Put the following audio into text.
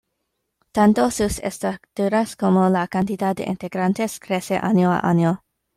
Tanto sus estructuras como la cantidad de integrantes crece año a año.